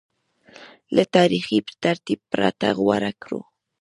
له تاریخي ترتیب پرته غوره کړو